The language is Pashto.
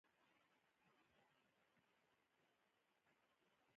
ښځې د کائناتو ښايست ده، ښه او نرم چلند ورسره وکړئ.